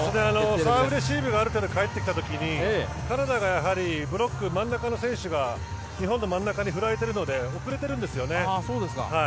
サーブレシーブがある程度返ってきた時にカナダがやはりブロック、真ん中の選手がほとんど真ん中に振られているので遅れているんですよね。